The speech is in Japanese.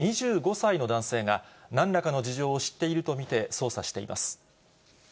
警察はこの家の隣に住む２５歳の男性が、なんらかの事情を知っていると見て、捜査しています。